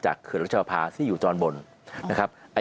จากเขื่อนรักชาวภาคมที่อยู่จอนบนนะครับ